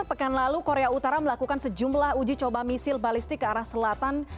pekan lalu korea utara melakukan sejumlah uji coba misil balistik ke arah selatan